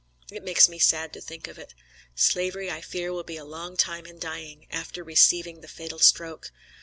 It makes me sad to think of it. Slavery, I fear, will be a long time in dying, after receiving the fatal stroke.